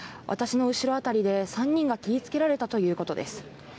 私の後ろ辺りで３人が切りつけられたということです。